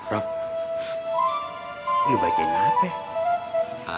rob lu bagian apa